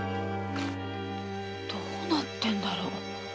どうなってんだろ？